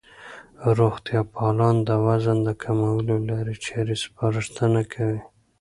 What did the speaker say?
روغتیا پالان د وزن د کمولو لارې چارې سپارښتنه کوي.